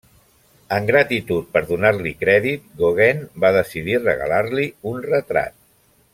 En gratitud per donar-li crèdit, Gauguin va decidir regalar-li un retrat.